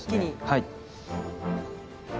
はい。